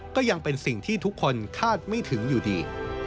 ก็ยังเป็นสิ่งที่ทุกคนคาดไม่ถึงอยู่ดี